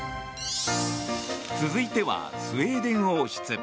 続いては、スウェーデン王室。